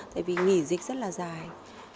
tại vì nghỉ dịch rất là dài